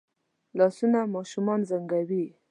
لاسونه ماشومان زنګوي